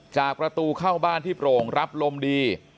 ประตูเข้าบ้านที่โปร่งรับลมดี